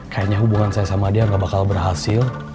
kayaknya hubungan saya sama dia gak bakal berhasil